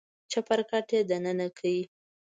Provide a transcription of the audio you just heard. چپرکټ يې دننه کړ.